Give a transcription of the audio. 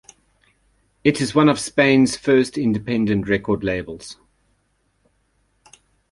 It is one of Spain's first independent record labels.